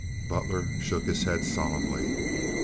Butler shook his head solemnly.